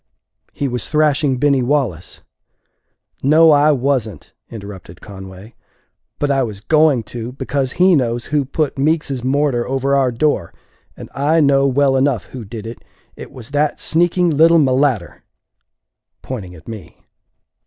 "He was thrashing Binny Wallace." "No, I wasn't," interrupted Conway; "but I was going to because he knows who put Meeks's mortar over our door. And I know well enough who did it; it was that sneaking little mulatter!" pointing at me.